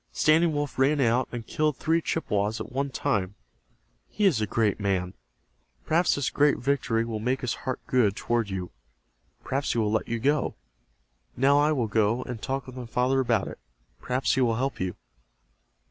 Standing Wolf ran out and killed three Chippewas at one time. He is a great man. Perhaps this great victory will make his heart good toward you. Perhaps he will let you go. Now I will go, and talk with my father about it. Perhaps he will help you."